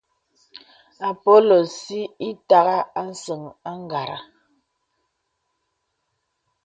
Àpōlə̀ sī itàgha a səŋ àgara.